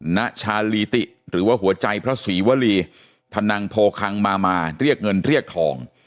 ณชาลีติหรือว่าหัวใจพระศรีวรีธนังโพคังมามาเรียกเงินเรียกทอง